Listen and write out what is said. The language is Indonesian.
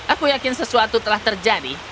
aku yakin sesuatu telah terjadi